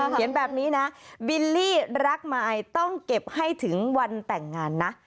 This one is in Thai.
เห็นแบบนี้นะบิลลี่รักมายต้องเก็บให้ถึงวันแต่งงานนะ